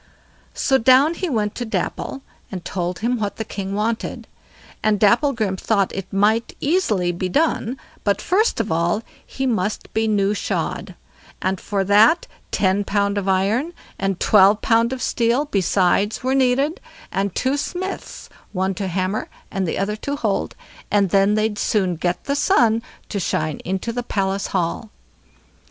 So down he went to Dapple, and told him what the king wanted, and Dapplegrim thought it might easily be done, but first of all he must be new shod; and for that ten pound of iron, and twelve pound of steel besides, were needed, and two smiths, one to hammer and the other to hold, and then they'd soon get the sun to shine into the palace hall.